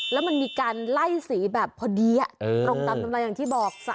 แล้วมันมีการไล่สีแบบพอดีตรงตามกำไรอย่างที่บอก